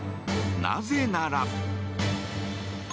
なぜなら。